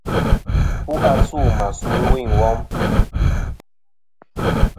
Fu asû mà su ɨwûyn ɨ wom.